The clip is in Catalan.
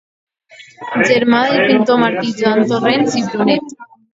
Germà del pintor Martí Joan Torrents i Brunet.